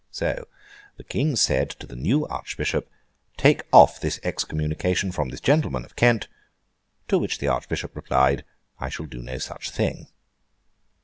So, the King said to the New Archbishop, 'Take off this Excommunication from this gentleman of Kent.' To which the Archbishop replied, 'I shall do no such thing.